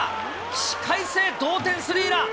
起死回生、同点スリーラン。